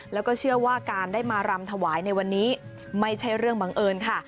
แล้วก็เชื่อว่าการได้มารำถวายในวันนี้ไม่ใช่เรื่องบังเอิญค่ะ